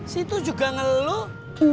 si itu juga ngeluk